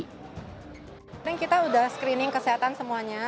kemarin kita sudah screening kesehatan semuanya